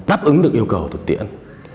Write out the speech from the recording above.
đáp ứng được yêu cầu thực tiện